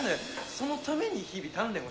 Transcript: そのために日々鍛錬をしておる。